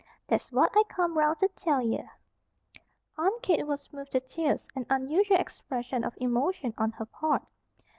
That's what I come 'round to tell ye." Aunt Kate was moved to tears, an unusual expression of emotion on her part.